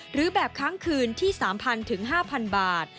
หรือแบบครั้งคืนที่๓๐๐๐๕๐๐๐บาท